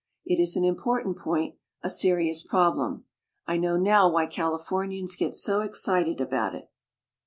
It is an important point, a serious problem. I know now why Califoruians get so excited about it.